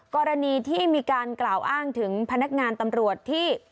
กรณีที่มีการกล่าวอ้างถึงพนักงานตำรวจที่